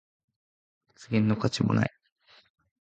発言の価値もない